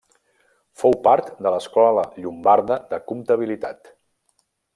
Fou part de l'Escola Llombarda de Comptabilitat.